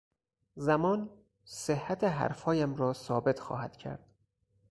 زمان، صحت حرفهایم را ثابت خواهد کرد.